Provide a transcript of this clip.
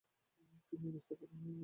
তিনি আলাস্কার প্রথম নারী গভর্নর।